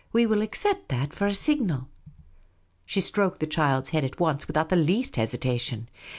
We will accept that for a signal." She stroked the child's head at once without the least hesitation.